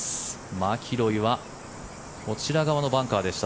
マキロイはこちら側もバンカーでした。